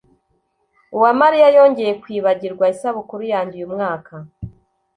Uwamariya yongeye kwibagirwa isabukuru yanjye uyu mwaka.